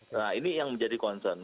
nah ini yang menjadi concern